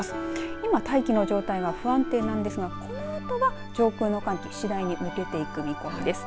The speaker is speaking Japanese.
今、大気の状態が不安定なんですがこのあとは上空の寒気次第に抜けていく見込みです。